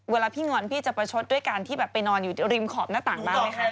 เวลาพี่งอนพี่จะประชดด้วยการที่แบบไปนอนอยู่ริมขอบหน้าต่างบ้างไหมคะ